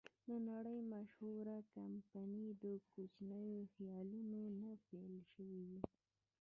د نړۍ مشهوره کمپنۍ د کوچنیو خیالونو نه پیل شوې وې.